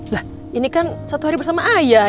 lah ini kan satu hari bersama ayah